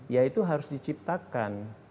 ya itu harus diciptakan